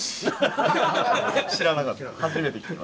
知らなかったです。